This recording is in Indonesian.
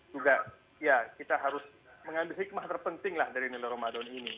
juga ya kita harus mengambil hikmah terpenting lah dari nilai ramadan ini